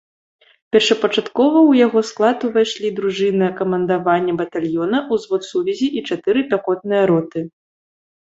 Першапачаткова ў яго склад увайшлі дружына камандавання батальёна, узвод сувязі і чатыры пяхотныя роты.